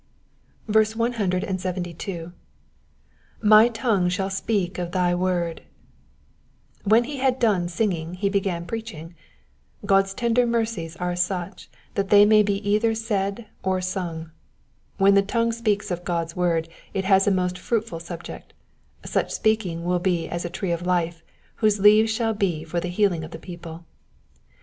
172. ^^My tongue shM speaJc of thy word,''^ When he had done singing he began preaching. God's tender mercies are such that they may be either said or sung. When the tongue speaks of God's word it has a most fruitful subject ; such speaking will be as a tree of life, whose leaves shall be for the healing of the people.